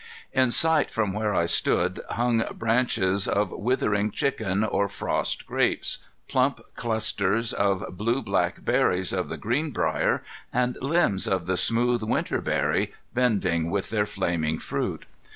In sight from where I stood hung bunches of withering chicken or frost grapes, plump clusters of blue black berries of the greenbrier, and limbs of the smooth winterberry bending with their flaming fruit.